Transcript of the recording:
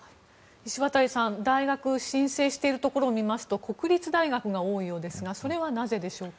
石渡さん、大学申請しているところを見ますと国立大学が多いようですがそれはなぜでしょうか。